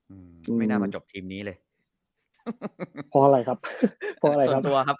อืมไม่น่ามาจบทีมนี้เลยพออะไรครับพออะไรครับส่วนตัวครับ